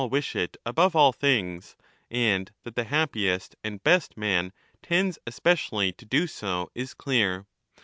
12 1245'' wish it above all things, and that the happiest and best man 10 tends especially to do so, is clear.